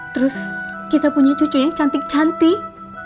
terus kita punya cucu yang cantik cantik